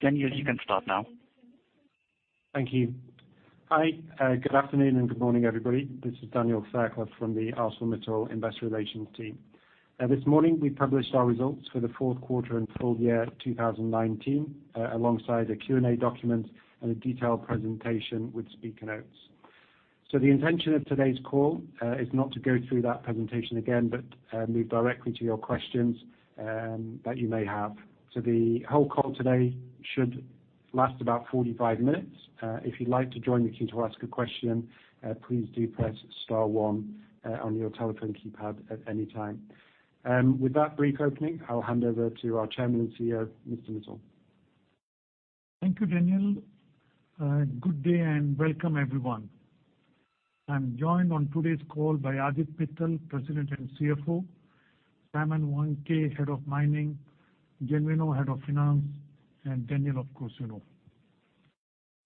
Daniel, you can start now. Thank you. Hi, good afternoon and good morning, everybody. This is Daniel Fairclough from the ArcelorMittal Investor Relations team. This morning, we published our results for the fourth quarter and full year 2019, alongside a Q&A document and a detailed presentation with speaker notes. The intention of today's call is not to go through that presentation again, but move directly to your questions that you may have. The whole call today should last about 45 minutes. If you'd like to join the queue to ask a question, please do press star one on your telephone keypad at any time. With that brief opening, I'll hand over to our Chairman and CEO, Mr. Mittal. Thank you, Daniel. Good day and welcome, everyone. I am joined on today's call by Aditya Mittal, President and CFO, Simon Wandke, Head of Mining, Genuino, Head of Finance, and Daniel, of course, you know.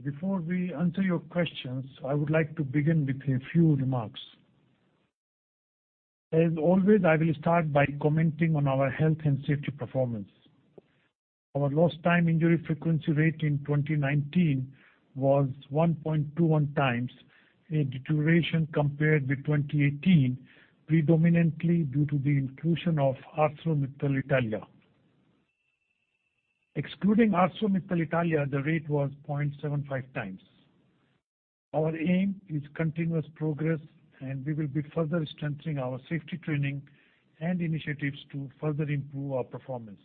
Before we answer your questions, I would like to begin with a few remarks. As always, I will start by commenting on our health and safety performance. Our lost time injury frequency rate in 2019 was 1.21 times a deterioration compared with 2018, predominantly due to the inclusion of ArcelorMittal Italia. Excluding ArcelorMittal Italia, the rate was 0.75 times. Our aim is continuous progress, and we will be further strengthening our safety training and initiatives to further improve our performance.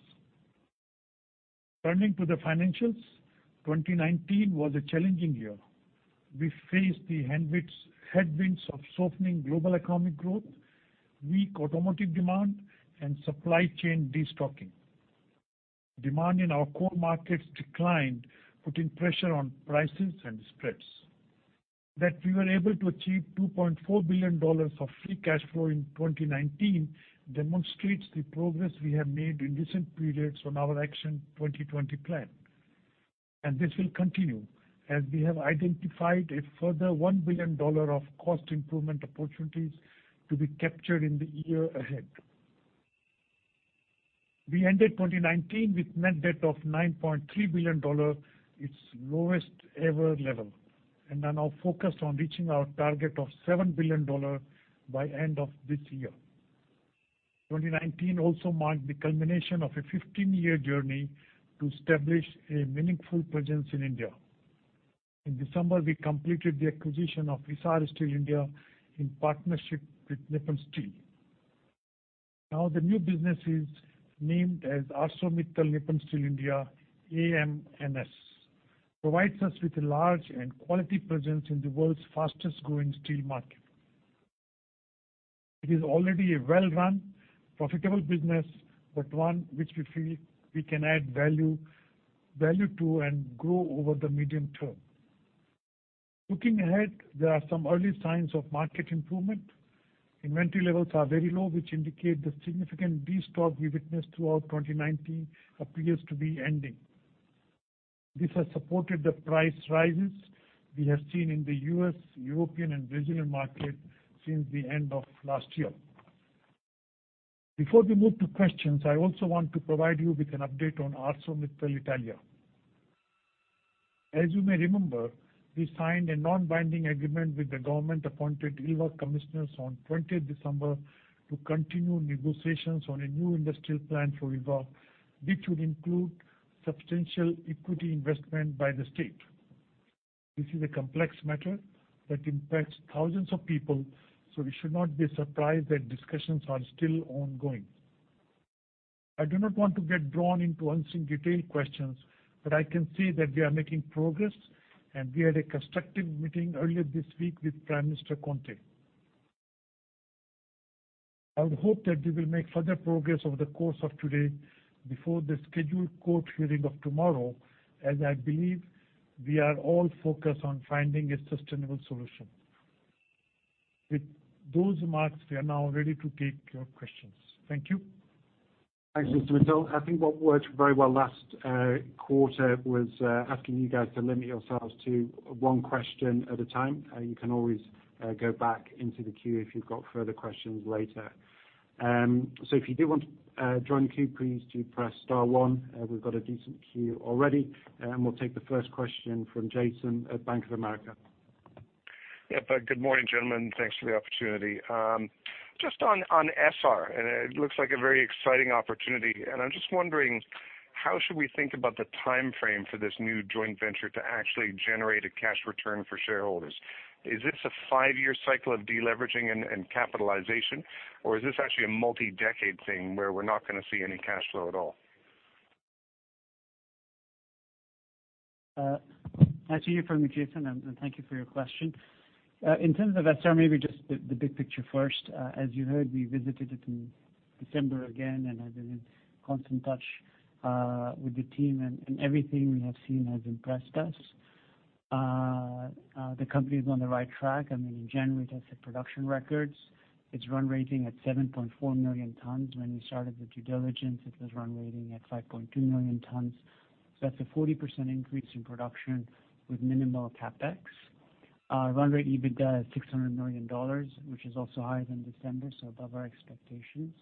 Turning to the financials, 2019 was a challenging year. We faced the headwinds of softening global economic growth, weak automotive demand, and supply chain destocking. Demand in our core markets declined, putting pressure on prices and spreads. That we were able to achieve $2.4 billion of free cash flow in 2019 demonstrates the progress we have made in recent periods on our Action 2020 plan. This will continue, as we have identified a further $1 billion of cost improvement opportunities to be captured in the year ahead. We ended 2019 with net debt of $9.3 billion, its lowest ever level, and are now focused on reaching our target of $7 billion by end of this year. 2019 also marked the culmination of a 15-year journey to establish a meaningful presence in India. In December, we completed the acquisition of Essar Steel India in partnership with Nippon Steel. Now the new business is named as ArcelorMittal Nippon Steel India, AM/NS, provides us with a large and quality presence in the world's fastest-growing steel market. It is already a well-run, profitable business, but one which we feel we can add value to and grow over the medium term. Looking ahead, there are some early signs of market improvement. Inventory levels are very low, which indicate the significant destock we witnessed throughout 2019 appears to be ending. This has supported the price rises we have seen in the U.S., European, and Brazilian market since the end of last year. Before we move to questions, I also want to provide you with an update on ArcelorMittal Italia. As you may remember, we signed a non-binding agreement with the government-appointed Ilva commissioners on 20th December to continue negotiations on a new industrial plan for Ilva, which would include substantial equity investment by the state. This is a complex matter that impacts thousands of people, so we should not be surprised that discussions are still ongoing. I do not want to get drawn into answering detailed questions, but I can see that we are making progress, and we had a constructive meeting earlier this week with Prime Minister Conte. I would hope that we will make further progress over the course of today before the scheduled court hearing of tomorrow, as I believe we are all focused on finding a sustainable solution. With those remarks, we are now ready to take your questions. Thank you. Thanks, Mr. Mittal. I think what worked very well last quarter was asking you guys to limit yourselves to one question at a time. You can always go back into the queue if you've got further questions later. If you do want to join the queue, please do press star one. We've got a decent queue already, and we'll take the first question from Jason at Bank of America. Yep. Good morning, gentlemen. Thanks for the opportunity. Just on Essar, it looks like a very exciting opportunity. I'm just wondering how should we think about the timeframe for this new joint venture to actually generate a cash return for shareholders? Is this a five-year cycle of deleveraging and capitalization, or is this actually a multi-decade thing where we're not gonna see any cash flow at all? I see you firmly, Jason, and thank you for your question. In terms of Essar, maybe just the big picture first. As you heard, we visited it in December again. I've been in constant touch with the team. Everything we have seen has impressed us. The company is on the right track. I mean, in January, it has hit production records. It's run rating at 7.4 million tons. When we started the due diligence, it was run rating at 5.2 million tons. That's a 40% increase in production with minimal CapEx. Our run rate EBITDA is $600 million, which is also higher than December, above our expectations.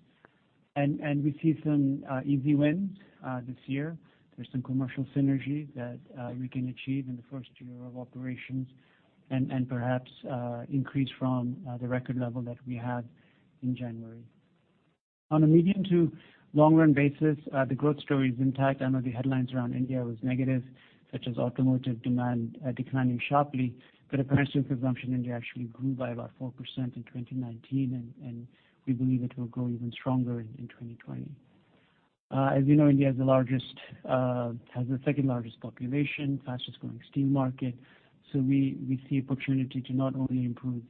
We see some easy wins this year. There's some commercial synergy that we can achieve in the first year of operations, perhaps increase from the record level that we had in January. On a medium to long-run basis, the growth story is intact. I know the headlines around India was negative, such as automotive demand declining sharply, but apparently with consumption, India actually grew by about 4% in 2019, and we believe it will grow even stronger in 2020. As you know, India has the second-largest population, fastest-growing steel market. We see opportunity to not only improve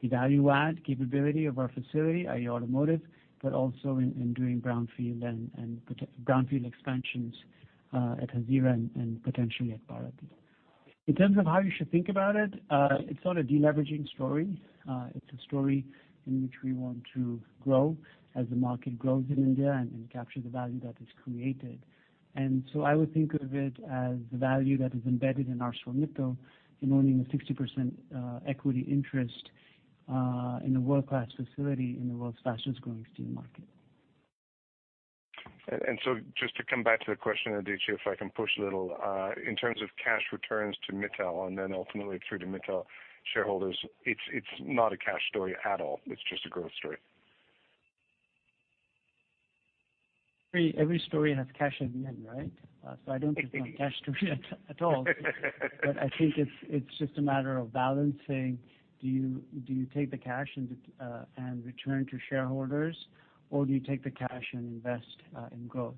the value add capability of our facility, i.e. automotive, but also in doing brownfield expansions at Hazira and potentially at Paradip. In terms of how you should think about it's not a de-leveraging story. It's a story in which we want to grow as the market grows in India and capture the value that is created. I would think of it as the value that is embedded in ArcelorMittal in owning a 60% equity interest in a world-class facility in the world's fastest-growing steel market. Just to come back to the question, Aditya, if I can push a little. In terms of cash returns to Mittal and then ultimately through to Mittal shareholders, it's not a cash story at all. It's just a growth story. Every story has cash in the end, right? I don't think it's not a cash story at all. I think it's just a matter of balancing, do you take the cash and return to shareholders, or do you take the cash and invest in growth?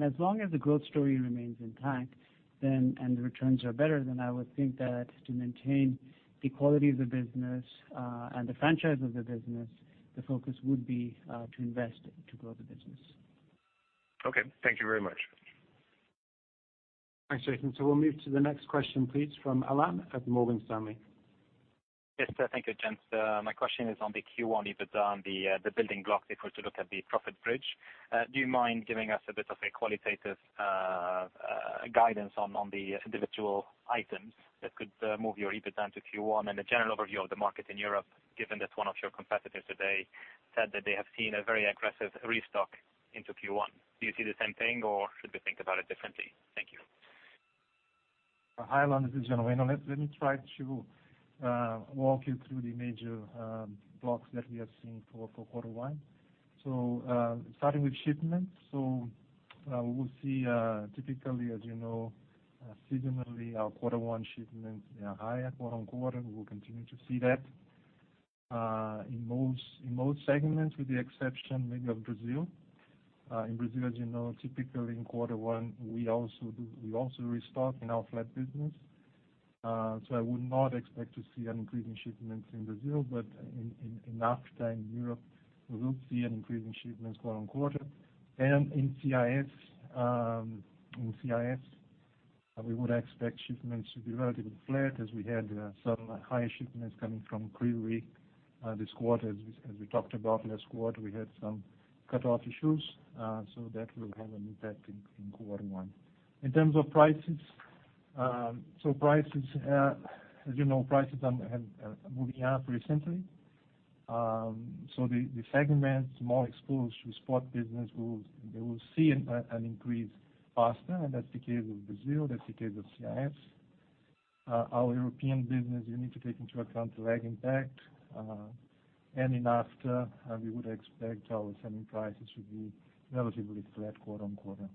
As long as the growth story remains intact and the returns are better, then I would think that to maintain the quality of the business and the franchise of the business, the focus would be to invest to grow the business. Okay. Thank you very much. Thanks, Jason. We'll move to the next question, please, from Alain at Morgan Stanley. Yes. Thank you, gents. My question is on the Q1 EBITDA, on the building blocks, if we're to look at the profit bridge. Do you mind giving us a bit of a qualitative guidance on the individual items that could move your EBITDA to Q1? A general overview of the market in Europe, given that one of your competitors today said that they have seen a very aggressive restock into Q1. Do you see the same thing, or should we think about it differently? Thank you. Hi, Alain. This is Genuino. Let me try to walk you through the major blocks that we have seen for quarter one. Starting with shipments. We'll see typically, as you know, seasonally, our quarter one shipments, they are higher quarter on quarter. We will continue to see that in most segments, with the exception maybe of Brazil. In Brazil, as you know, typically in quarter one, we also restock in our flat business. I would not expect to see an increase in shipments in Brazil, but in NAFTA and Europe, we will see an increase in shipments quarter on quarter. In CIS, we would expect shipments to be relatively flat as we had some higher shipments coming from previous quarters. As we talked about last quarter, we had some cutoff issues. That will have an impact in quarter one. In terms of prices. Prices, as you know, prices have been moving up recently. The segments more exposed to spot business, they will see an increase faster, and that's the case with Brazil, that's the case with CIS. Our European business, you need to take into account lag impact. In NAFTA, we would expect our selling prices to be relatively flat quarter on quarter.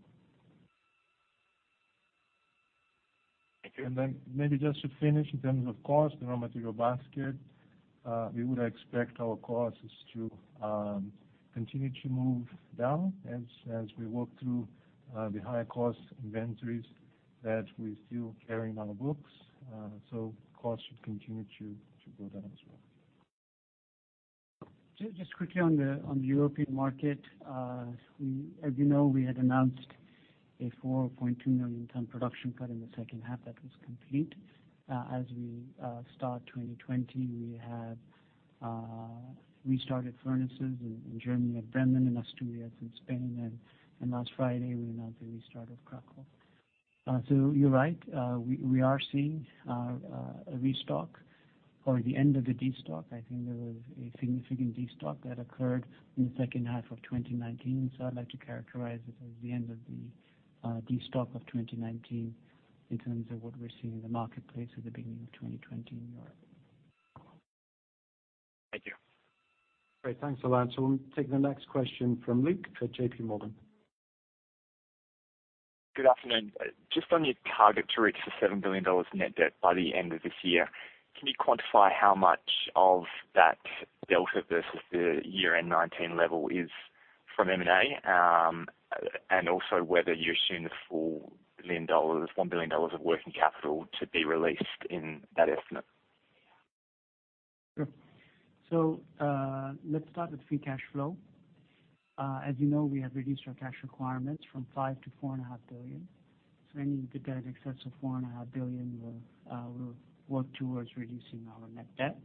Thank you. Maybe just to finish in terms of cost, the raw material basket. We would expect our costs to continue to move down as we work through the higher-cost inventories that we still carry on our books. Costs should continue to go down as well. Just quickly on the European market. As you know, we had announced a 4.2 million ton production cut in the second half. That was complete. As we start 2020, we have restarted furnaces in Germany at Bremen, in Asturias, in Spain, and last Friday, we announced the restart of Kraków. You're right, we are seeing a restock or the end of the destock. I think there was a significant destock that occurred in the second half of 2019. I'd like to characterize it as the end of the destock of 2019 in terms of what we're seeing in the marketplace at the beginning of 2020 in Europe. Thank you. Great. Thanks, Alain. We'll take the next question from Luke at JPMorgan. Good afternoon. Just on your target to reach the $7 billion net debt by the end of this year. Can you quantify how much of that debt versus the year-end 2019 level is from M&A? Whether you assume the full $1 billion of working capital to be released in that estimate. Sure. Let's start with free cash flow. As you know, we have reduced our cash requirements from $5 billion-$4.5 billion. Any bit that is excess of $4.5 billion, we'll work towards reducing our net debt.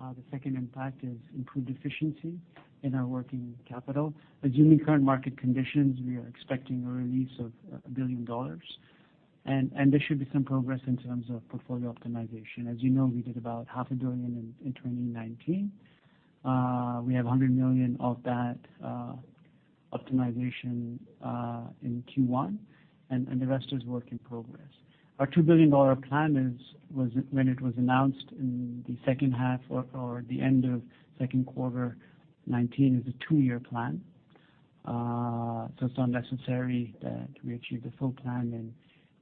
The second impact is improved efficiency in our working capital. Assuming current market conditions, we are expecting a release of $1 billion, and there should be some progress in terms of portfolio optimization. As you know, we did about half a billion in 2019. We have $100 million of that optimization in Q1, and the rest is work in progress. Our $2 billion plan, when it was announced in the second half or toward the end of second quarter 2019, is a two-year plan. It's not necessary that we achieve the full plan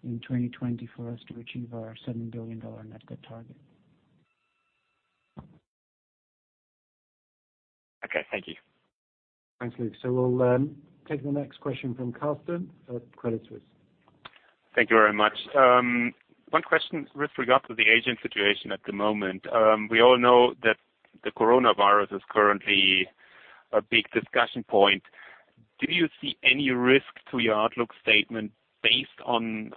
in 2020 for us to achieve our $7 billion net debt target. Okay, thank you. Thanks, Luke. We'll take the next question from Carsten at Credit Suisse. Thank you very much. One question with regard to the Asian situation at the moment. We all know that the coronavirus is currently a big discussion point. Do you see any risk to your outlook statement based on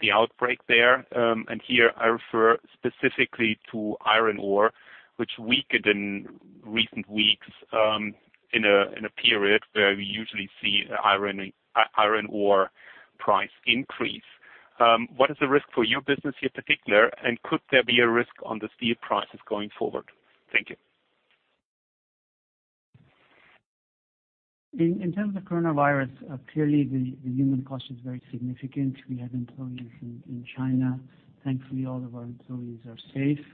the outbreak there? Here I refer specifically to iron ore, which weakened in recent weeks in a period where we usually see iron ore price increase. What is the risk for your business here in particular, and could there be a risk on the steel prices going forward? Thank you. In terms of coronavirus, clearly the human cost is very significant. We have employees in China. Thankfully, all of our employees are safe.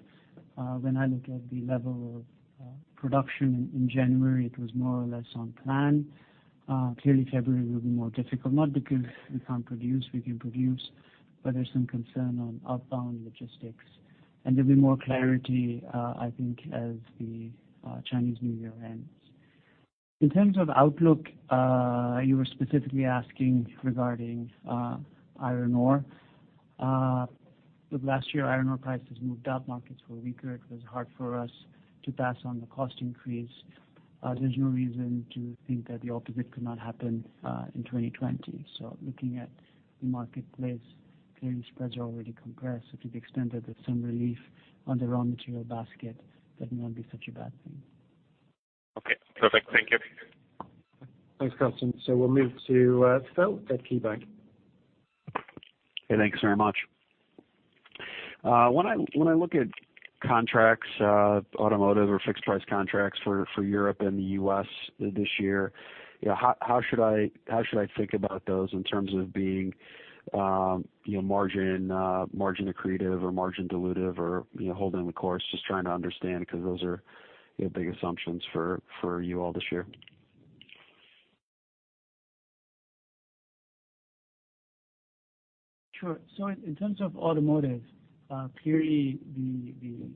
When I look at the level of production in January, it was more or less on plan. February will be more difficult, not because we can't produce. We can produce. There's some concern on outbound logistics. There'll be more clarity, I think, as the Chinese New Year ends. In terms of outlook, you were specifically asking regarding iron ore. Look, last year, iron ore prices moved up. Markets were weaker. It was hard for us to pass on the cost increase. There's no reason to think that the opposite could not happen in 2020. Looking at the marketplace, clearly spreads are already compressed. To the extent that there's some relief on the raw material basket, that might not be such a bad thing. Okay, perfect. Thank you. Thanks, Carsten. We'll move to Phil at KeyBanc. Hey, thanks very much. When I look at contracts, automotive or fixed price contracts for Europe and the U.S. this year, how should I think about those in terms of being margin accretive or margin dilutive or holding the course? Just trying to understand because those are big assumptions for you all this year. Sure. In terms of automotive, clearly the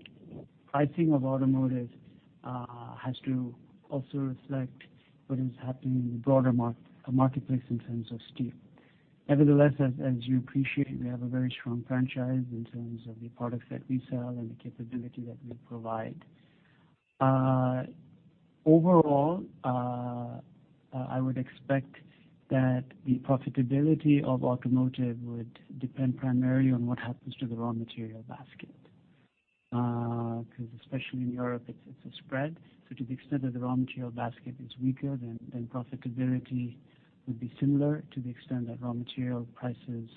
pricing of automotive has to also reflect what is happening in the broader marketplace in terms of steel. Nevertheless, as you appreciate, we have a very strong franchise in terms of the products that we sell and the capability that we provide. Overall, I would expect that the profitability of automotive would depend primarily on what happens to the raw material basket. Especially in Europe, it's a spread. To the extent that the raw material basket is weaker, profitability would be similar. To the extent that raw material prices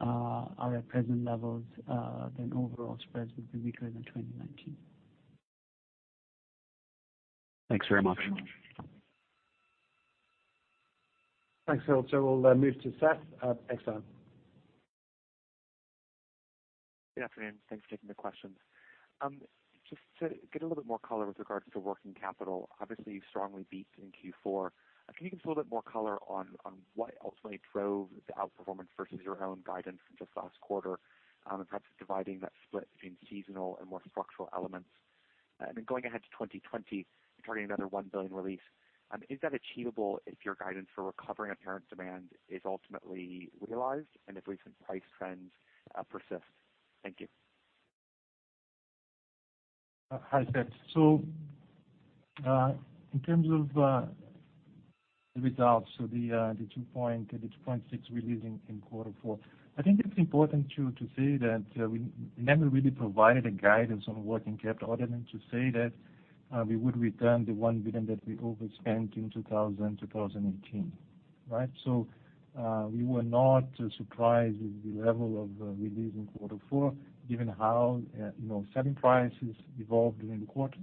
are at present levels, overall spreads would be weaker than 2019. Thanks very much. Thanks, Phil. We'll move to Seth at Exane. Good afternoon. Thanks for taking the questions. Just to get a little bit more color with regard to the working capital, obviously you strongly beat in Q4. Can you give us a little bit more color on what ultimately drove the outperformance versus your own guidance from just last quarter? Perhaps dividing that split between seasonal and more structural elements. Going ahead to 2020, you're targeting another $1 billion release. Is that achievable if your guidance for recovery on apparent demand is ultimately realized and if recent price trends persist? Thank you. Hi, Seth. In terms of the results, the 2.6 release in quarter four, I think it's important, too, to say that we never really provided a guidance on working capital other than to say that we would return the $1 billion that we overspent in 2018, right? We were not surprised with the level of release in quarter four, given how selling prices evolved during the quarter.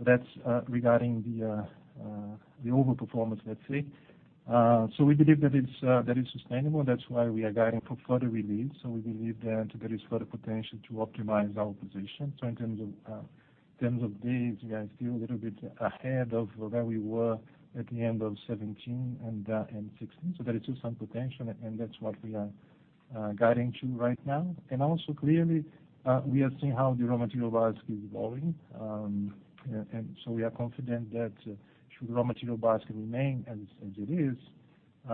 That's regarding the overperformance, let's say. We believe that it's sustainable. That's why we are guiding for further release. We believe that there is further potential to optimize our position. In terms of days, we are still a little bit ahead of where we were at the end of 2017 and 2016. There is still some potential, and that's what we are guiding to right now. Also clearly, we are seeing how the raw material basket is evolving. We are confident that should the raw material basket remain as it is,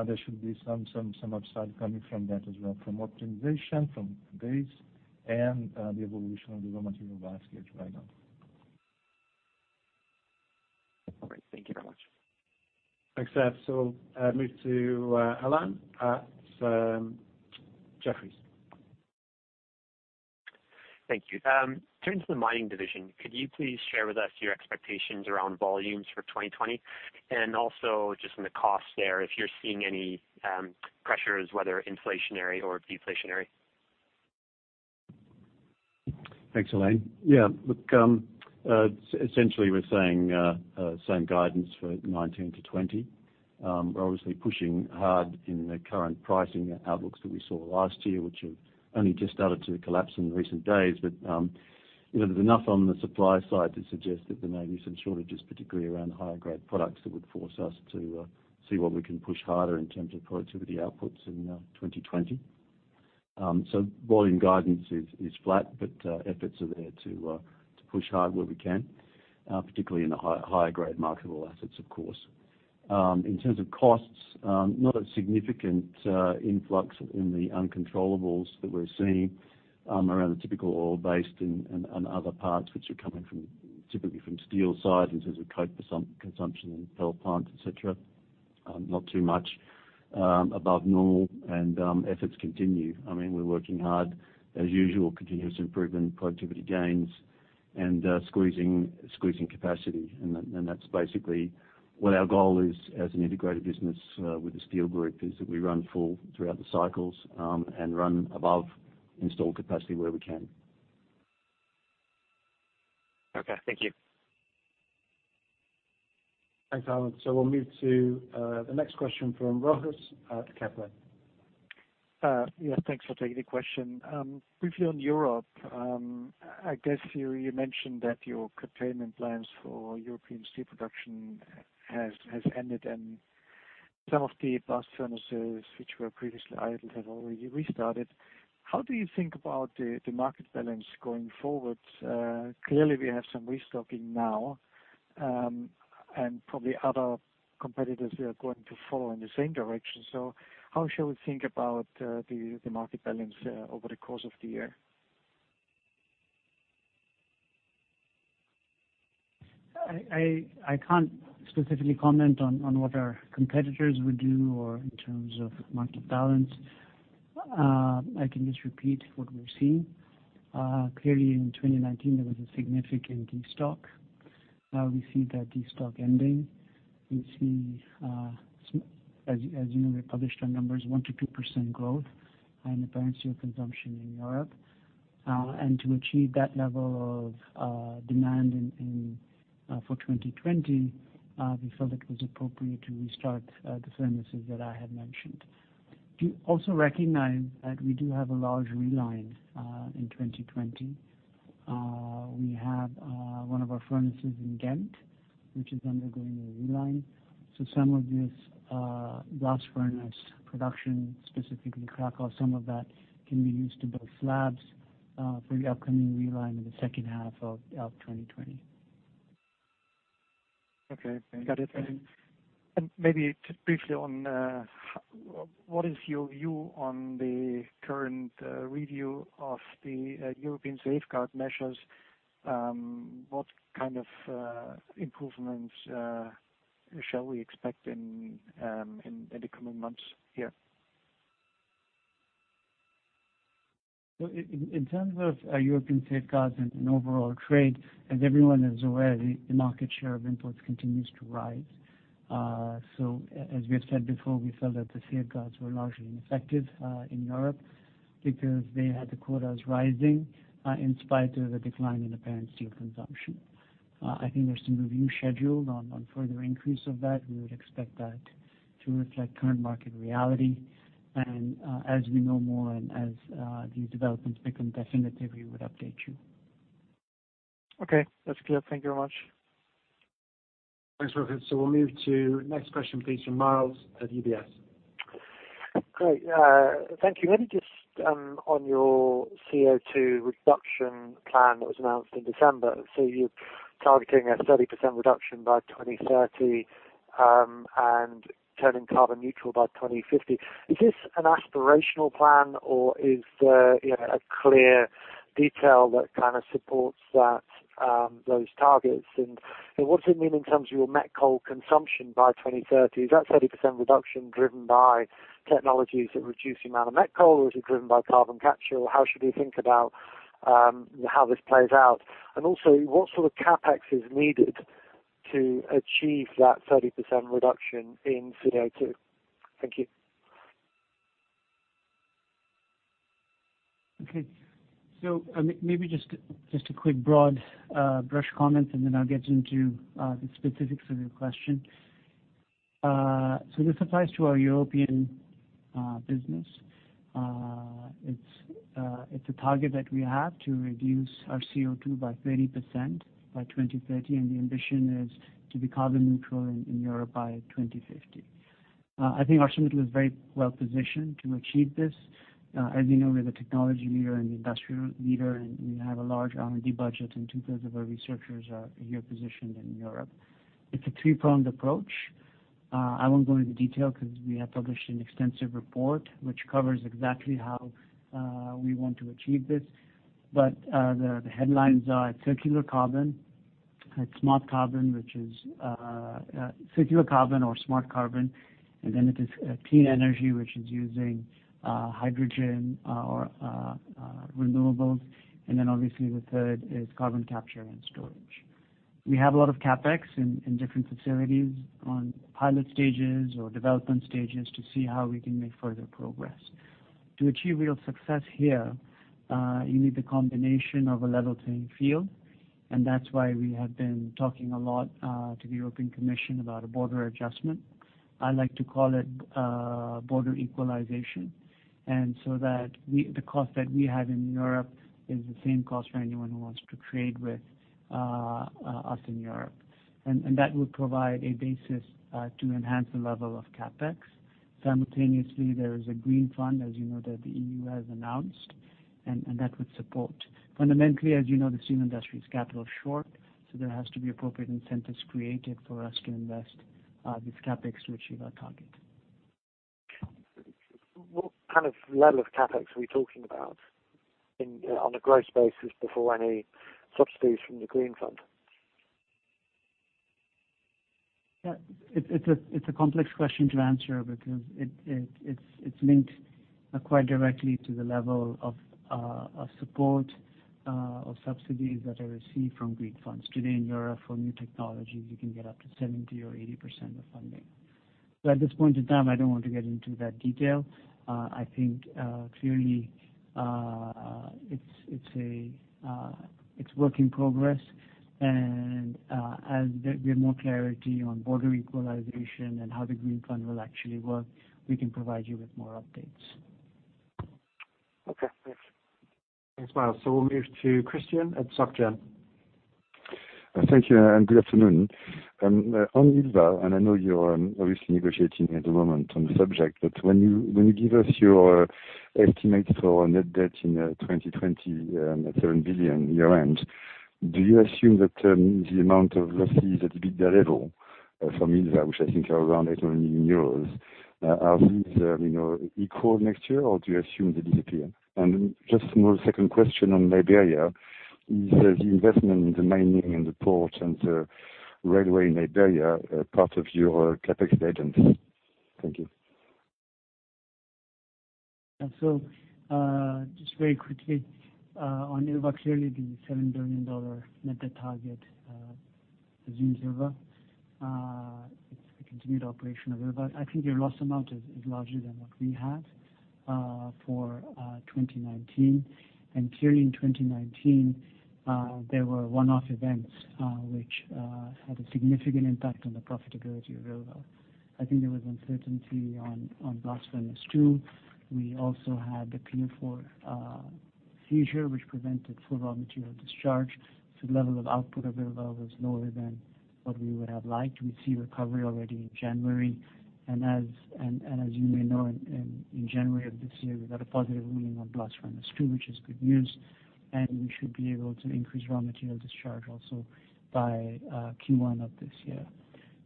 there should be some upside coming from that as well, from optimization, from days, and the evolution of the raw material basket right now. Thank you very much. Thanks, Seth. I'll move to Alain at Jefferies. Thank you. In terms of the mining division, could you please share with us your expectations around volumes for 2020? Also just on the cost there, if you're seeing any pressures, whether inflationary or deflationary. Thanks, Alain. Yeah. Look, essentially we're saying same guidance for 2019 to 2020. We're obviously pushing hard in the current pricing outlooks that we saw last year, which have only just started to collapse in recent days. There's enough on the supply side to suggest that there may be some shortages, particularly around higher grade products that would force us to see what we can push harder in terms of productivity outputs in 2020. Volume guidance is flat, but efforts are there to push hard where we can, particularly in the higher grade marketable assets, of course. In terms of costs, not a significant influx in the uncontrollables that we're seeing around the typical oil-based and other parts which are coming typically from steel side in terms of coke consumption and pellet plants, et cetera. Not too much above normal. Efforts continue. We're working hard as usual, continuous improvement, productivity gains, and squeezing capacity. That's basically what our goal is as an integrated business with the steel group, is that we run full throughout the cycles, and run above installed capacity where we can. Okay, thank you. Thanks, Alain. We'll move to the next question from Rochus at Kepler. Yeah, thanks for taking the question. Briefly on Europe, I guess you mentioned that your containment plans for European steel production has ended and some of the blast furnaces which were previously idle have already restarted. How do you think about the market balance going forward? Clearly we have some restocking now, and probably other competitors who are going to follow in the same direction. How should we think about the market balance over the course of the year? I can't specifically comment on what our competitors would do, or in terms of market balance. I can just repeat what we're seeing. Clearly in 2019, there was a significant de-stock. Now we see that de-stock ending. We see, as you know, we published our numbers, 1%-2% growth in apparent steel consumption in Europe. To achieve that level of demand for 2020, we felt it was appropriate to restart the furnaces that I had mentioned. Do also recognize that we do have a large reline in 2020. We have one of our furnaces in Ghent, which is undergoing a reline. Some of this blast furnace production, specifically Kraków, some of that can be used to build slabs, for the upcoming reline in the second half of 2020. Okay. Got it. Thanks. Maybe just briefly, what is your view on the current review of the European safeguard measures? What kind of improvements shall we expect in the coming months here? In terms of European safeguards and overall trade, as everyone is aware, the market share of imports continues to rise. As we have said before, we feel that the safeguards were largely ineffective in Europe because they had the quotas rising, in spite of the decline in apparent steel consumption. I think there's some review scheduled on further increase of that. We would expect that to reflect current market reality. As we know more and as these developments become definitive, we would update you. Okay. That's clear. Thank you very much. Thanks, Rochus. We'll move to next question, please from Myles at UBS. Great. Thank you. Maybe just on your CO2 reduction plan that was announced in December. You're targeting a 30% reduction by 2030, and turning carbon neutral by 2050. Is this an aspirational plan or is a clear detail that supports those targets? What does it mean in terms of your met coal consumption by 2030? Is that 30% reduction driven by technologies that reduce the amount of met coal, or is it driven by carbon capture? How should we think about how this plays out? What sort of CapEx is needed to achieve that 30% reduction in CO2? Thank you. Okay. Maybe just a quick broad brush comment, and then I'll get into the specifics of your question. This applies to our European business. It's a target that we have to reduce our CO2 by 30% by 2030, and the ambition is to be carbon neutral in Europe by 2050. I think ArcelorMittal is very well-positioned to achieve this. As you know, we're the technology leader and the industrial leader, and we have a large R&D budget, and 2/3 of our researchers are here positioned in Europe. It's a three-pronged approach. I won't go into detail because we have published an extensive report which covers exactly how we want to achieve this. The headlines are circular carbon, smart carbon, which is circular carbon or smart carbon, and then it is clean energy, which is using hydrogen or renewables. Then obviously the third is carbon capture and storage. We have a lot of CapEx in different facilities on pilot stages or development stages to see how we can make further progress. To achieve real success here, you need the combination of a level playing field, that's why we have been talking a lot to the European Commission about a border adjustment. I like to call it border equalization. That the cost that we have in Europe is the same cost for anyone who wants to trade with us in Europe. That would provide a basis to enhance the level of CapEx. Simultaneously, there is a green fund, as you know, that the EU has announced, and that would support. Fundamentally, as you know, the steel industry is capital short, there has to be appropriate incentives created for us to invest this CapEx to achieve our target. What kind of level of CapEx are we talking about on a gross basis before any subsidies from the green fund? Yeah. It's a complex question to answer because it's linked quite directly to the level of support or subsidies that are received from green funds. Today in Europe, for new technologies, you can get up to 70% or 80% of funding. At this point in time, I don't want to get into that detail. I think, clearly it's work in progress, and as there'll be more clarity on border equalization and how the green fund will actually work, we can provide you with more updates. Okay, thanks. Thanks, Myles. We'll move to Christian at SocGen. Thank you, good afternoon. On Ilva, I know you're obviously negotiating at the moment on the subject, when you give us your estimates for net debt in 2020, at $7 billion year end, do you assume that the amount of losses at the bigger level for Ilva, which I think are around 800 million euros, are these equal next year, or do you assume they disappear? Just one second question on Liberia. Is the investment in the mining and the port and the railway in Liberia part of your CapEx guidance? Thank you. Just very quickly, on Ilva, clearly the $7 billion net debt target assumes Ilva. It's the continued operation of Ilva. I think your loss amount is larger than what we have for 2019. Clearly in 2019, there were one-off events, which had a significant impact on the profitability of Ilva. I think there was uncertainty on blast furnace two. We also had the Pier four seizure, which prevented full raw material discharge. The level of output of Ilva was lower than what we would have liked. We see recovery already in January. As you may know, in January of this year, we got a positive ruling on blast furnace two, which is good news, and we should be able to increase raw material discharge also by Q1 of this year.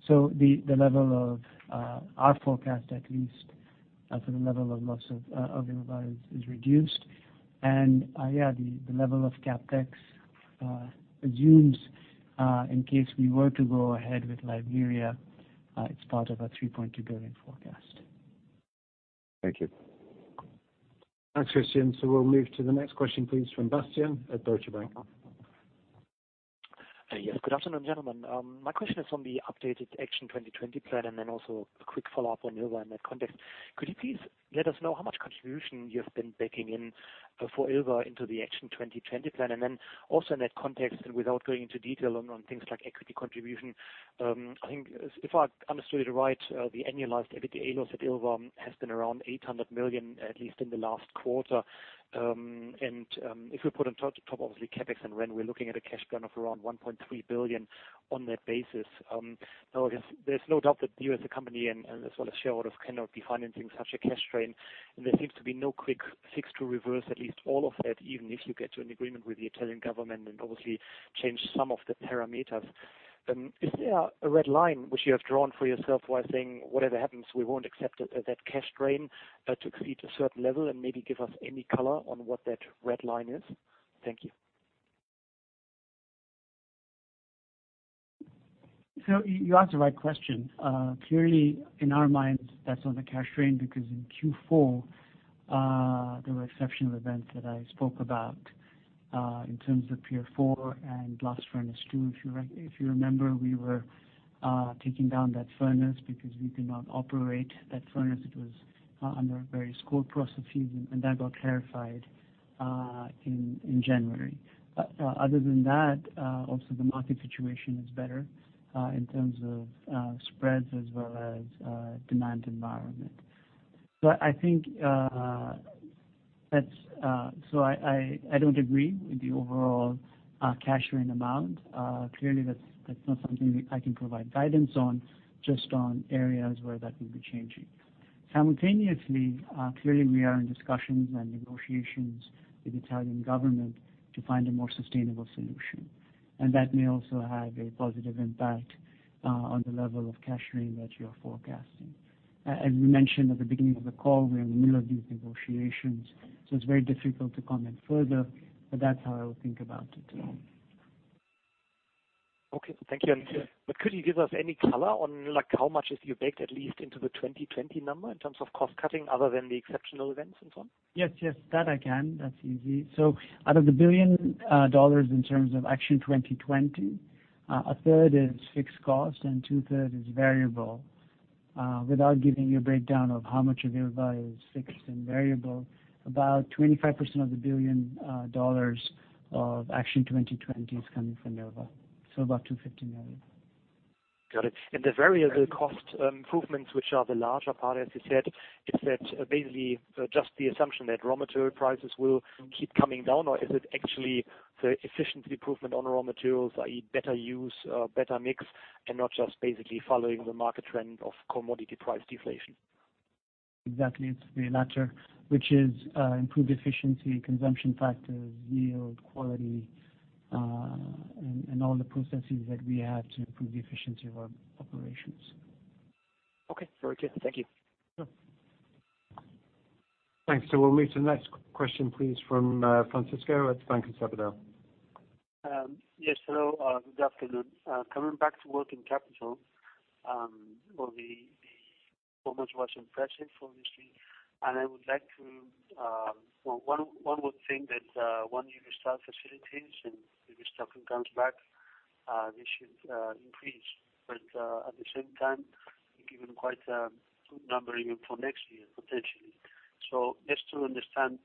The level of our forecast, at least for the level of loss of Ilva, is reduced. The level of CapEx assumes, in case we were to go ahead with Liberia, it's part of our $3.2 billion forecast. Thank you. Thanks, Christian. We'll move to the next question, please, from Bastian at Deutsche Bank. Yes. Good afternoon, gentlemen. My question is on the updated Action 2020 plan and then also a quick follow-up on Ilva in that context. Could you please let us know how much contribution you have been baking in for Ilva into the Action 2020 plan? Also in that context and without going into detail on things like equity contribution, I think if I understood it right, the annualized EBITDA loss at Ilva has been around $800 million, at least in the last quarter. If we put on top, obviously, CapEx and reline, we're looking at a cash burn of around $1.3 billion on that basis. I guess there's no doubt that you as a company and as well as shareholders cannot be financing such a cash drain. There seems to be no quick fix to reverse at least all of that, even if you get to an agreement with the Italian government and obviously change some of the parameters. Is there a red line which you have drawn for yourself while saying, "Whatever happens, we won't accept that cash drain to exceed a certain level"? Maybe give us any color on what that red line is. Thank you. You ask the right question. Clearly, in our minds, that's not a cash drain because in Q4, there were exceptional events that I spoke about, in terms of Pier four and blast furnace two. If you remember, we were taking down that furnace because we could not operate that furnace. It was under various court processes, and that got clarified in January. Other than that, also the market situation is better, in terms of spreads as well as demand environment. I don't agree with the overall cash drain amount. Clearly, that's not something I can provide guidance on, just on areas where that will be changing. Simultaneously, clearly we are in discussions and negotiations with Italian government to find a more sustainable solution. That may also have a positive impact on the level of cash drain that you are forecasting. As we mentioned at the beginning of the call, we are in the middle of these negotiations, so it's very difficult to comment further, but that's how I would think about it today. Okay. Thank you. Could you give us any color on how much have you baked, at least, into the 2020 number in terms of cost-cutting other than the exceptional events and so on? Yes. That I can. That's easy. Out of the $1 billion in terms of Action 2020, one third is fixed cost and two thirds is variable. Without giving you a breakdown of how much of your value is fixed and variable, about 25% of the $1 billion of Action 2020 is coming from Ilva. About $250 million. Got it. The variable cost improvements, which are the larger part, as you said, is that basically just the assumption that raw material prices will keep coming down, or is it actually the efficiency improvement on raw materials, i.e., better use, better mix, and not just basically following the market trend of commodity price deflation? Exactly. It's the latter, which is improved efficiency, consumption factors, yield, quality, and all the processes that we have to improve the efficiency of our operations. Okay. Very clear. Thank you. Sure. Thanks. We'll move to the next question, please, from Francisco at Banco de Sabadell. Yes, hello, good afternoon. Coming back to working capital, well, the performance was impressive, obviously. One would think that once you restart facilities and maybe staffing comes back, this should increase. At the same time, you've given quite a good number even for next year, potentially. Just to understand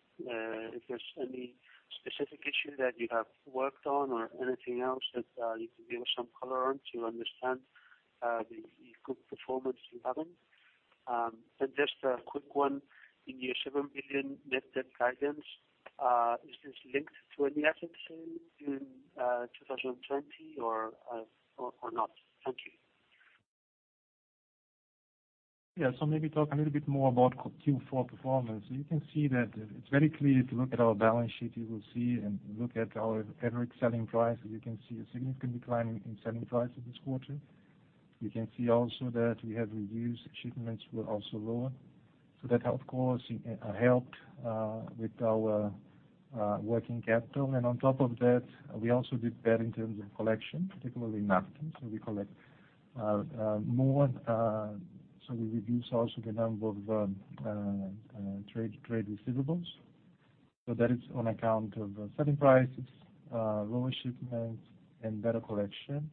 if there's any specific issue that you have worked on or anything else that you can give us some color on to understand the good performance you're having. Just a quick one, in your $7 billion net debt guidance, is this linked to any asset sale in 2020 or not? Thank you. Maybe talk a little bit more about Q4 performance. It's very clear to look at our balance sheet and look at our average selling price, you can see a significant decline in selling prices this quarter. We have reduced shipments were also lower. That of course, helped with our working capital. On top of that, we also did better in terms of collection, particularly in NAFTA. We collect more, so we reduce also the number of trade receivables. That is on account of selling prices, lower shipments, and better collection.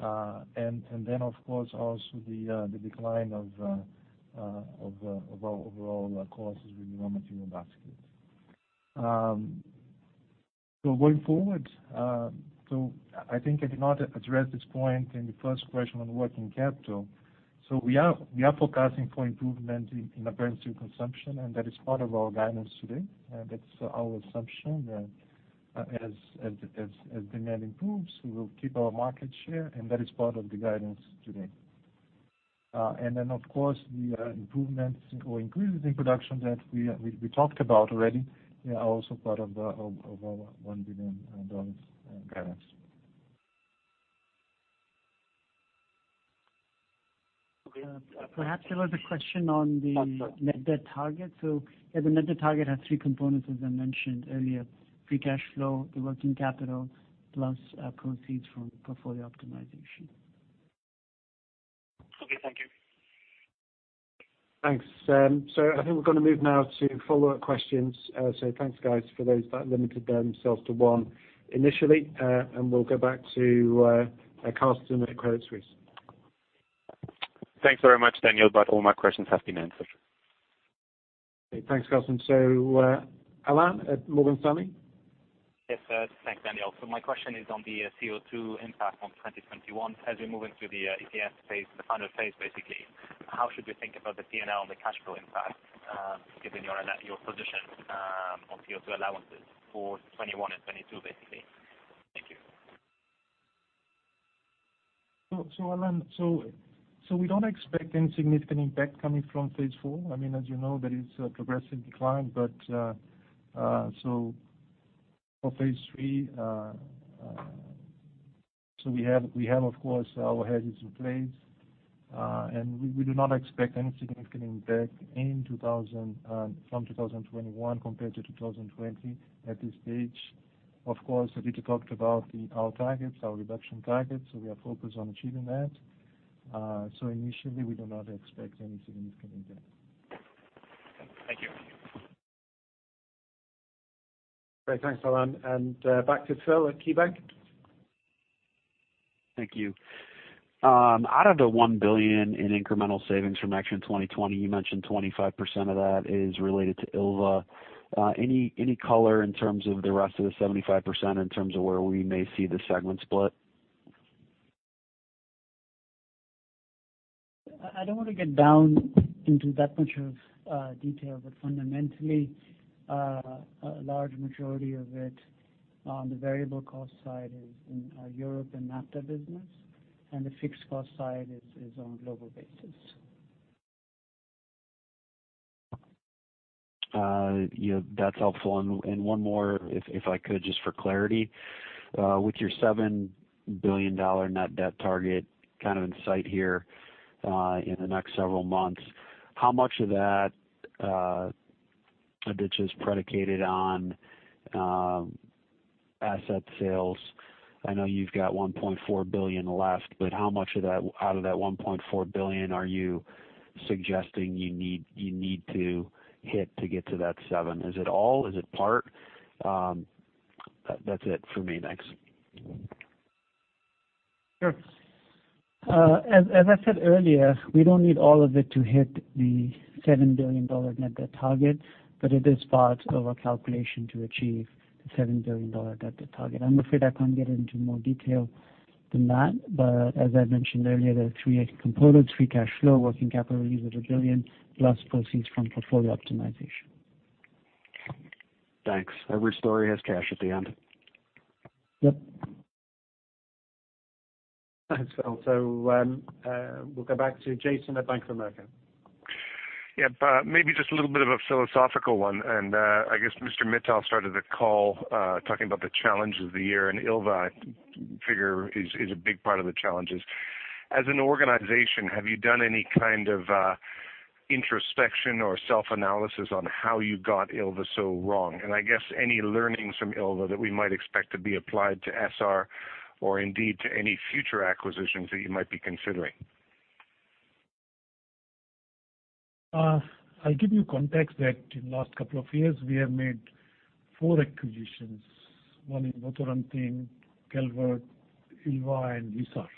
Of course, also the decline of our overall costs with raw material baskets. Going forward, I think I did not address this point in the first question on working capital. We are forecasting for improvement in apparent steel consumption, and that is part of our guidance today. That's our assumption, that as demand improves, we will keep our market share, and that is part of the guidance today. Then, of course, the improvements or increases in production that we talked about already are also part of our $1 billion guidance. Okay. Perhaps there was a question on the- I'm sorry. Net debt target. The net debt target has three components, as I mentioned earlier. Free Cash Flow, the Working Capital, plus proceeds from portfolio optimization. Okay, thank you. Thanks. I think we're going to move now to follow-up questions. Thanks guys, for those that limited themselves to one initially, and we'll go back to Carsten at Credit Suisse. Thanks very much, Daniel, but all my questions have been answered. Okay, thanks, Carsten. Alain at Morgan Stanley? Yes. Thanks, Daniel. My question is on the CO2 impact on 2021. As we move into the ETS phase, the final phase, how should we think about the P&L and the cash flow impact, given your position on CO2 allowances for 2021 and 2022? Thank you. Alain, so we don't expect any significant impact coming from Phase 4. As you know, that is a progressive decline. We do not expect any significant impact from 2021 compared to 2020 at this stage. Of course, Aditya talked about our targets, our reduction targets, so we are focused on achieving that. Initially, we do not expect any significant impact. Okay. Thank you. Great. Thanks, Alain. Back to Phil at KeyBanc. Thank you. Out of the $1 billion in incremental savings from Action 2020, you mentioned 25% of that is related to Ilva. Any color in terms of the rest of the 75% in terms of where we may see the segment split? I don't want to get down into that much of detail, but fundamentally, a large majority of it on the variable cost side is in our Europe and NAFTA business, and the fixed cost side is on a global basis. That's helpful. One more, if I could, just for clarity. With your $7 billion net debt target kind of in sight here in the next several months, how much of that, which is predicated on asset sales, I know you've got $1.4 billion left, how much out of that $1.4 billion are you suggesting you need to hit to get to that seven? Is it all, is it part? That's it for me. Thanks. Sure. As I said earlier, we don't need all of it to hit the $7 billion net debt target, but it is part of our calculation to achieve the $7 billion net debt target. I'm afraid I can't get into more detail than that. As I mentioned earlier, there are three components, free cash flow, working capital use of $1 billion, plus proceeds from portfolio optimization. Thanks. Every story has cash at the end. Yep. Thanks, Phil. We'll go back to Jason at Bank of America. Yep. Maybe just a little bit of a philosophical one, and I guess Mr. Mittal started the call, talking about the challenges of the year, and Ilva figure is a big part of the challenges. As an organization, have you done any kind of introspection or self-analysis on how you got Ilva so wrong? I guess any learnings from Ilva that we might expect to be applied to Essar or indeed to any future acquisitions that you might be considering? I'll give you context that in last couple of years, we have made four acquisitions. One in Votorantim, Calvert, Ilva, and Essar.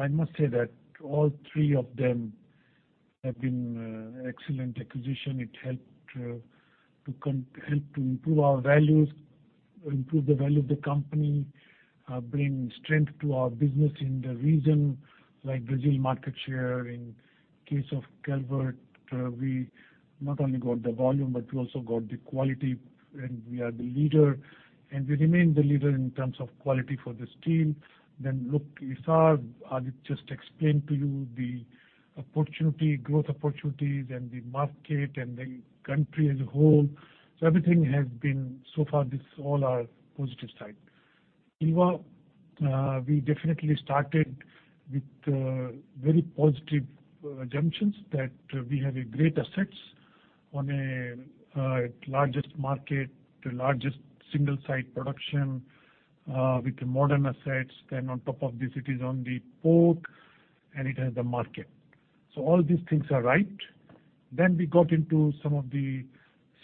I must say that all three of them have been excellent acquisition. It helped to improve our values, improve the value of the company, bring strength to our business in the region, like Brazil market share. In case of Calvert, we not only got the volume, but we also got the quality, and we are the leader, and we remain the leader in terms of quality for the steel. Look, Essar, I just explained to you the growth opportunities and the market and the country as a whole. Everything has been so far, this all are positive side. Ilva, we definitely started with very positive assumptions that we have a great assets on a largest market to largest single site production, with modern assets. On top of this, it is on the port and it has the market. All these things are right. We got into some of the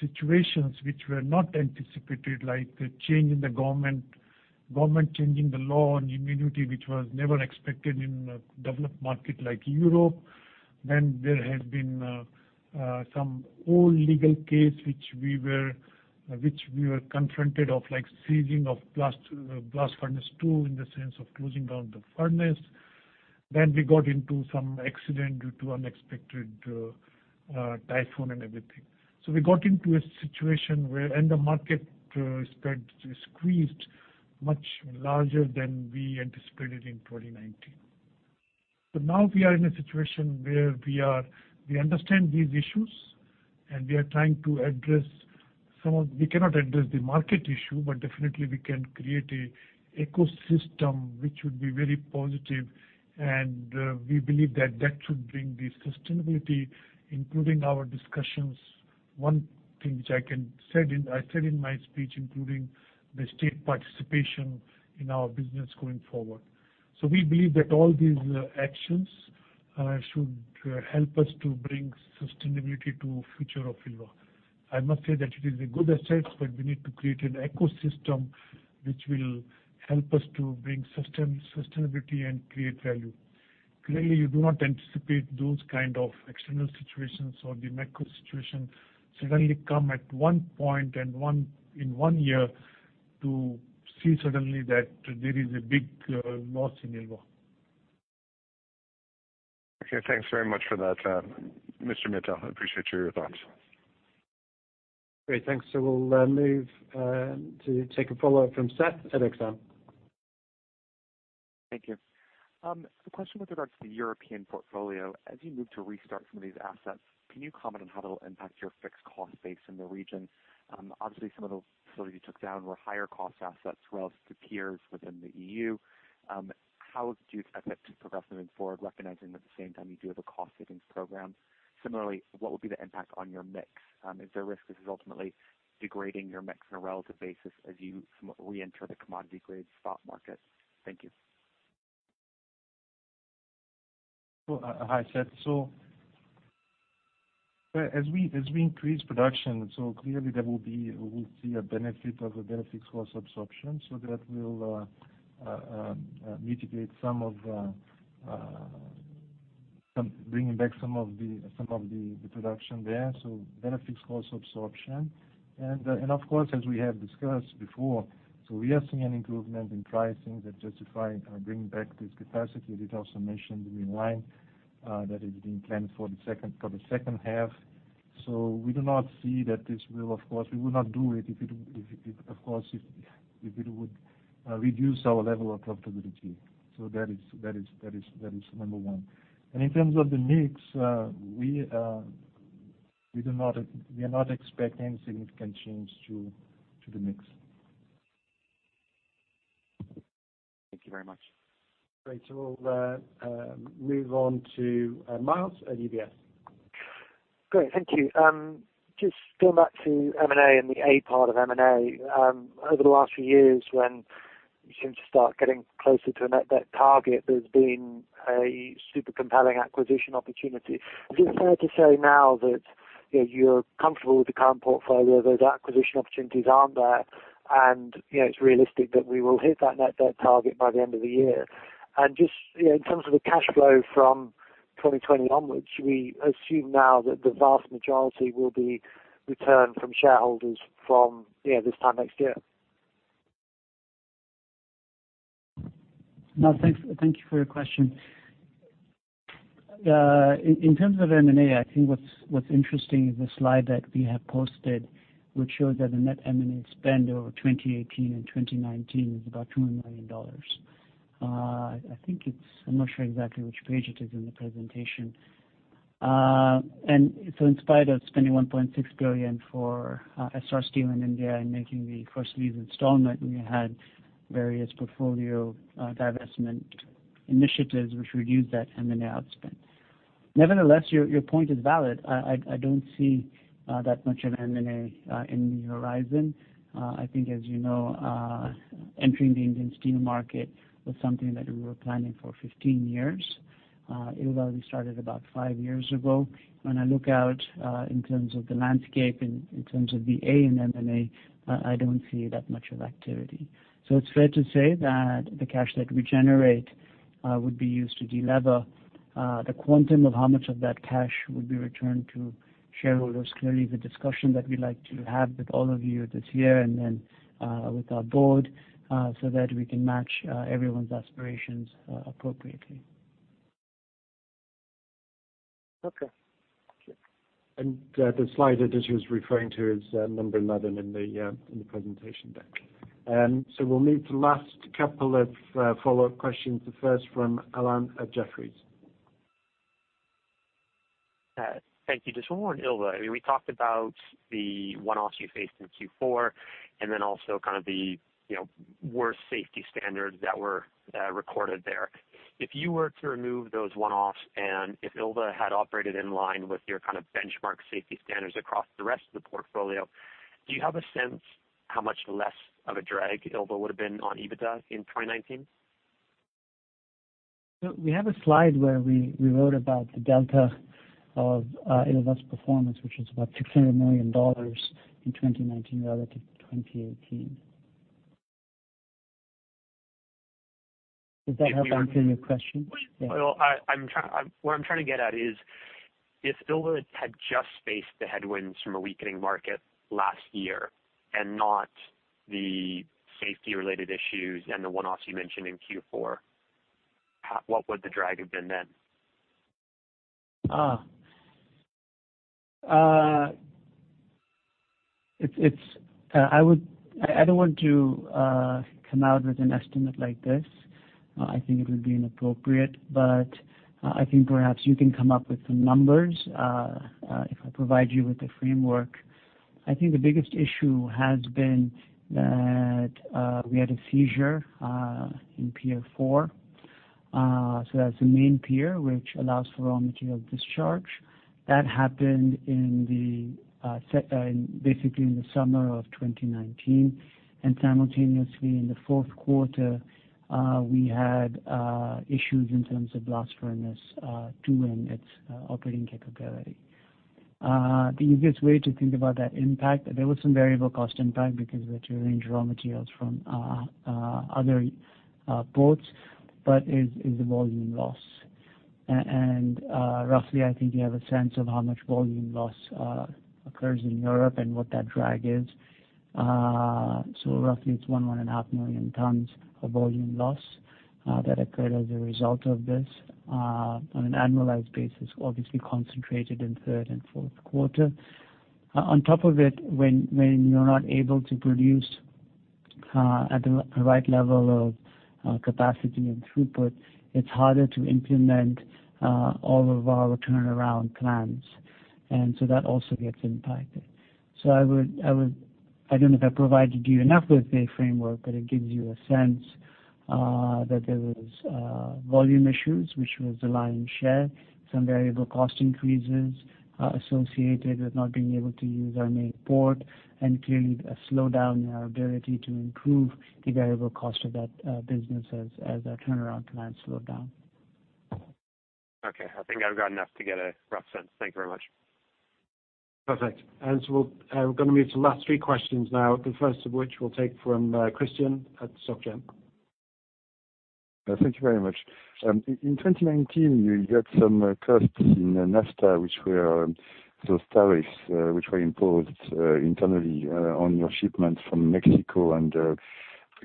situations which were not anticipated, like the change in the government changing the law on immunity, which was never expected in a developed market like Europe. There has been some old legal case which we were confronted of like seizing of blast furnace two in the sense of closing down the furnace. We got into some accident due to unexpected typhoon and everything. We got into a situation where, and the market spread squeezed much larger than we anticipated in 2019. Now we are in a situation where we understand these issues, and we are trying to address We cannot address the market issue, but definitely we can create an ecosystem which would be very positive. We believe that that should bring the sustainability, including our discussions, one thing which I said in my speech, including the state participation in our business going forward. We believe that all these actions should help us to bring sustainability to future of Ilva. I must say that it is a good asset, but we need to create an ecosystem which will help us to bring sustainability and create value. Clearly, you do not anticipate those kind of external situations or the macro situation suddenly come at one point and in one year to see suddenly that there is a big loss in Ilva. Okay. Thanks very much for that, Mr. Mittal. I appreciate your thoughts. Great. Thanks. We'll move to take a follow-up from Seth at Exane. Thank you. Question with regards to the European portfolio. As you move to restart some of these assets, can you comment on how that'll impact your fixed cost base in the region? Obviously, some of those facilities you took down were higher cost assets relative to peers within the EU. How do you expect to progress moving forward, recognizing at the same time you do have a cost savings program? Similarly, what would be the impact on your mix? Is there a risk this is ultimately degrading your mix on a relative basis as you reenter the commodity grade spot market? Thank you. Hi, Seth. As we increase production, clearly we'll see a benefit of cost absorption. That will mitigate some of the bringing back some of the production there. Benefits cost absorption. Of course, as we have discussed before, we are seeing an improvement in pricing that justify bringing back this capacity that also mentioned the reline, that is being planned for the second half. We do not see that this will, of course, we will not do it if it would Reduce our level of profitability. That is number one. In terms of the mix, we are not expecting significant change to the mix. Thank you very much. Great. We'll move on to Myles at UBS. Great. Thank you. Just going back to M&A and the A part of M&A. Over the last few years when you seem to start getting closer to a net debt target, there's been a super compelling acquisition opportunity. Is it fair to say now that you're comfortable with the current portfolio, those acquisition opportunities aren't there, and it's realistic that we will hit that net debt target by the end of the year? Just in terms of the cash flow from 2021 onwards, should we assume now that the vast majority will be returned from shareholders from this time next year? No. Thank you for your question. In terms of M&A, I think what's interesting is the slide that we have posted, which shows that the net M&A spend over 2018 and 2019 is about $200 million. I'm not sure exactly which page it is in the presentation. So in spite of spending $1.6 billion for Essar Steel India and making the first lease installment, we had various portfolio divestment initiatives which reduced that M&A outspend. Nevertheless, your point is valid. I don't see that much of M&A in the horizon. I think, as you know entering the Indian steel market was something that we were planning for 15 years. Ilva, we started about five years ago. When I look out in terms of the landscape, in terms of the A in M&A, I don't see that much of activity. It's fair to say that the cash that we generate would be used to de-lever. The quantum of how much of that cash would be returned to shareholders, clearly is a discussion that we'd like to have with all of you this year, and then with our board, so that we can match everyone's aspirations appropriately. Okay. The slide that Aditya was referring to is number 11 in the presentation deck. We'll move to last couple of follow-up questions. The first from Alan at Jefferies. Thank you. Just one more on Ilva. We talked about the one-offs you faced in Q4, and then also kind of the worst safety standards that were recorded there. If you were to remove those one-offs and if Ilva had operated in line with your kind of benchmark safety standards across the rest of the portfolio, do you have a sense how much less of a drag Ilva would've been on EBITDA in 2019? We have a slide where we wrote about the delta of Ilva's performance, which is about $600 million in 2019 relative to 2018. Does that help answer your question? What I'm trying to get at is, if Ilva had just faced the headwinds from a weakening market last year and not the safety-related issues and the one-offs you mentioned in Q4, what would the drag have been then? I don't want to come out with an estimate like this. I think it would be inappropriate. I think perhaps you can come up with some numbers, if I provide you with the framework. I think the biggest issue has been that we had a seizure in Pier four. That's the main pier, which allows for raw material discharge. That happened basically in the summer of 2019. Simultaneously in the fourth quarter, we had issues in terms of blast furnace two and its operating capability. The easiest way to think about that impact, there was some variable cost impact because we had to arrange raw materials from other ports, but is the volume loss. Roughly, I think you have a sense of how much volume loss occurs in Europe and what that drag is. Roughly it's 1.5 million tons of volume loss that occurred as a result of this, on an annualized basis, obviously concentrated in third and fourth quarter. On top of it, when you're not able to produce at the right level of capacity and throughput, it's harder to implement all of our turnaround plans. That also gets impacted. I don't know if I provided you enough with the framework, but it gives you a sense that there was volume issues, which was the lion's share, some variable cost increases associated with not being able to use our main port and clearly a slowdown in our ability to improve the variable cost of that business as our turnaround plans slow down. Okay. I think I've got enough to get a rough sense. Thank you very much. Perfect. We're going to move to last three questions now, the first of which we'll take from Christian at SocGen. Thank you very much. In 2019, you got some costs in NAFTA, which were those tariffs, which were imposed internally on your shipments from Mexico and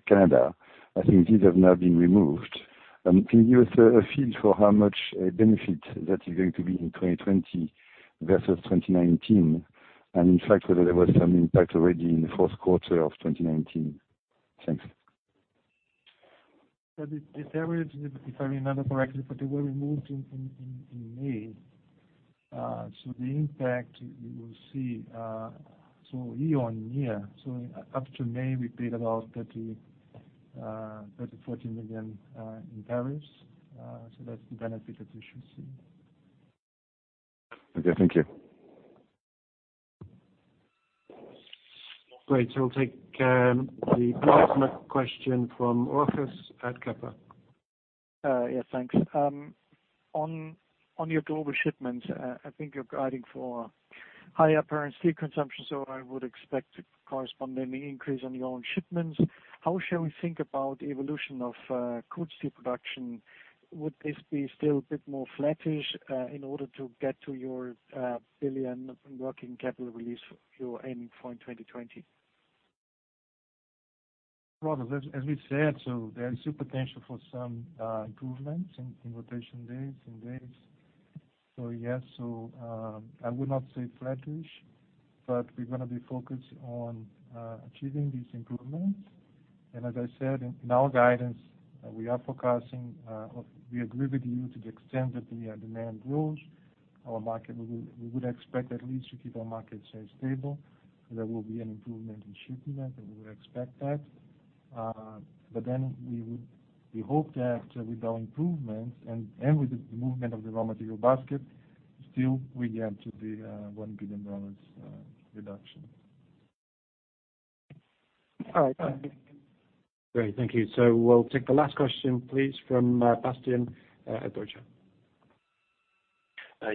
Canada. I think these have now been removed. Can you give us a feel for how much benefit that is going to be in 2020 versus 2019? In fact, whether there was some impact already in the fourth quarter of 2019. Thanks. That is the theory, if I remember correctly. They were removed in May. The impact you will see year-on-year. Up to May, we paid about $30 million-$40 million in tariffs. That's the benefit that you should see. Okay. Thank you. Great. We'll take the ultimate question from Rochus at Kepler. Yes, thanks. On your global shipments, I think you're guiding for higher apparent steel consumption, so I would expect a corresponding increase on your own shipments. How shall we think about evolution of cold steel production? Would this be still a bit more flattish, in order to get to your $1 billion working capital release you're aiming for in 2020? Rochus, as we said, there is still potential for some improvements in rotation days. Yes, I would not say flattish, but we're going to be focused on achieving these improvements. As I said, in our guidance, we are forecasting, or we agree with you to the extent that the demand grows, our market, we would expect at least to keep our market share stable. There will be an improvement in shipment, and we would expect that. We hope that with our improvements and with the movement of the raw material basket, still we get to the $1 billion reduction. All right. Thank you. Great. Thank you. We'll take the last question, please, from Bastian at Deutsche.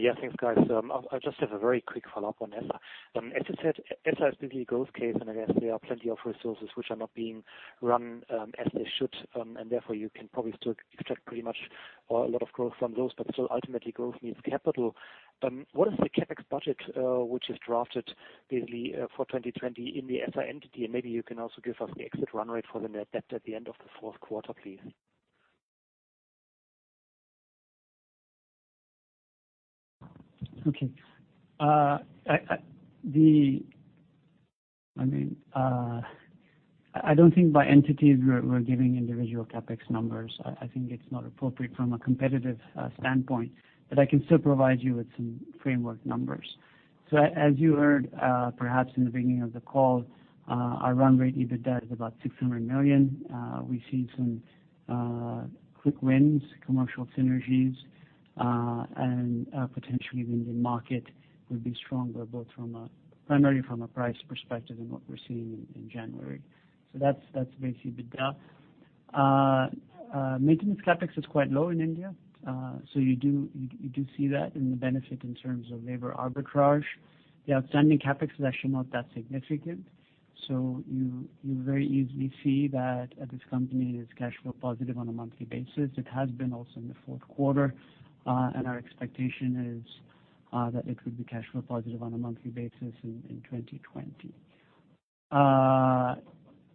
Yes, thanks, guys. I just have a very quick follow-up on Essar. Essar is basically growth case, and I guess there are plenty of resources which are not being run as they should, and therefore you can probably still extract pretty much a lot of growth from those, but still ultimately growth needs capital. What is the CapEx budget which is drafted basically for 2020 in the Essar entity? Maybe you can also give us the exit run rate for the net debt at the end of the fourth quarter, please. I don't think by entities we're giving individual CapEx numbers. I think it's not appropriate from a competitive standpoint. I can still provide you with some framework numbers. As you heard, perhaps in the beginning of the call, our run rate EBITDA is about $600 million. We see some quick wins, commercial synergies, and potentially the Indian market would be stronger, both primarily from a price perspective and what we're seeing in January. That's basically EBITDA. Maintenance CapEx is quite low in India. You do see that in the benefit in terms of labor arbitrage. The outstanding CapEx is actually not that significant. You very easily see that this company is cash flow positive on a monthly basis. It has been also in the fourth quarter. Our expectation is that it will be cash flow positive on a monthly basis in 2020.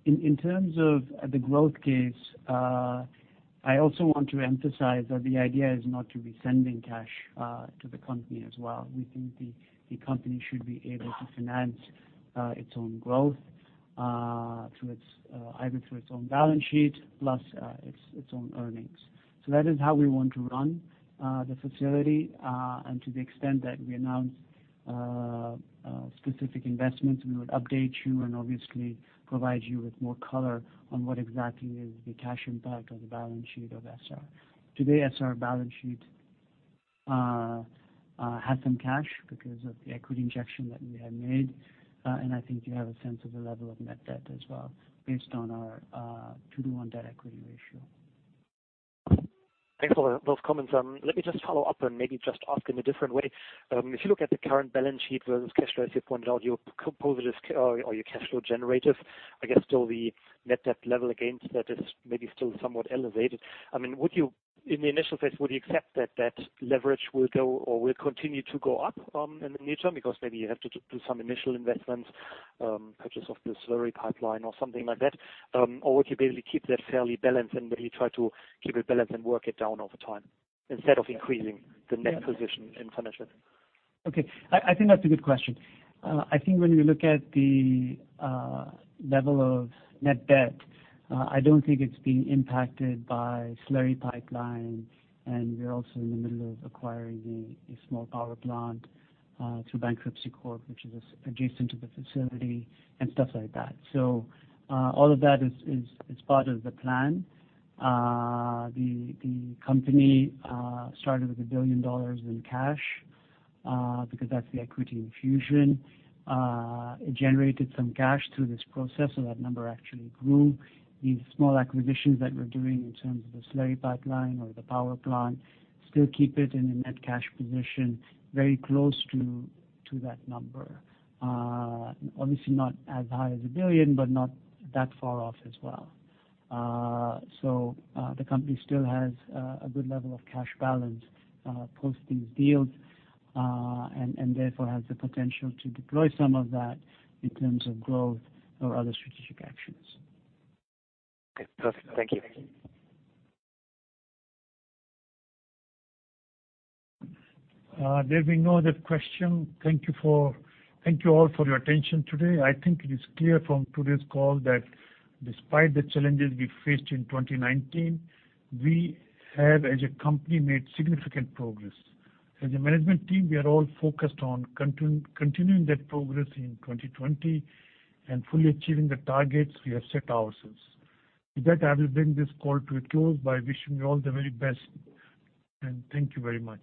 In terms of the growth case, I also want to emphasize that the idea is not to be sending cash to the company as well. We think the company should be able to finance its own growth either through its own balance sheet plus its own earnings. That is how we want to run the facility, and to the extent that we announce specific investments, we would update you and obviously provide you with more color on what exactly is the cash impact of the balance sheet of Essar. Today, Essar balance sheet has some cash because of the equity injection that we have made. I think you have a sense of the level of net debt as well based on our 2:1 debt-equity ratio. Thanks for those comments. Let me just follow up and maybe just ask in a different way. If you look at the current balance sheet versus cash flow, as you pointed out, you're positive or you're cash flow generative. I guess still the net debt level against that is maybe still somewhat elevated. In the initial phase, would you accept that that leverage will go or will continue to go up in the near term because maybe you have to do some initial investments, purchase of the slurry pipeline or something like that? Would you basically keep that fairly balanced and really try to keep it balanced and work it down over time instead of increasing the net position in financial? I think that's a good question. I think when you look at the level of net debt, I don't think it's being impacted by slurry pipeline, and we are also in the middle of acquiring a small power plant through bankruptcy court, which is adjacent to the facility and stuff like that. All of that is part of the plan. The company started with $1 billion in cash, because that's the equity infusion. It generated some cash through this process, that number actually grew. These small acquisitions that we're doing in terms of the slurry pipeline or the power plant still keep it in a net cash position very close to that number. Obviously not as high as $1 billion, not that far off as well. The company still has a good level of cash balance post these deals, and therefore has the potential to deploy some of that in terms of growth or other strategic actions. Okay, perfect. Thank you. There being no other question, thank you all for your attention today. I think it is clear from today's call that despite the challenges we faced in 2019, we have, as a company, made significant progress. As a management team, we are all focused on continuing that progress in 2020 and fully achieving the targets we have set ourselves. With that, I will bring this call to a close by wishing you all the very best, and thank you very much.